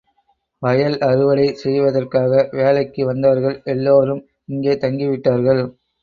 வயல் அறுவடை செய்வதற்காக வேலைக்கு வந்தவர்கள் எல்லோரும், இங்கே தங்கிவிட்டார்கள்.